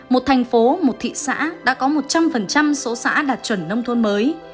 một thành phố một thị xã đã có một trăm linh số xã đạt chuẩn nông thôn mới